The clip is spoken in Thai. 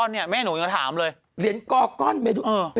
เอออะไรฮะคุณเหมียงฮะ